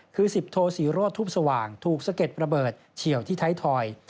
คือสิบโทศรีโรธทุบสว่างถูกสะเก็ดระเบิดเฉียวที่ไทยทอย